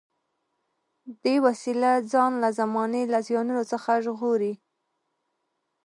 دې وسیله ځان له زمانې له زیانونو څخه ژغوري.